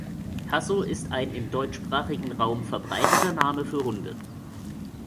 Hasso ist ein im deutschsprachigen Raum verbreiteter Name für Hunde.